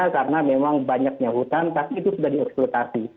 karena memang banyaknya hutan tapi itu sudah dieksploitasi